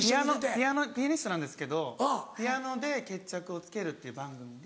ピアニストなんですけどピアノで決着をつけるっていう番組で。